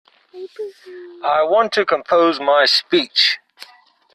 I want to compose my speech.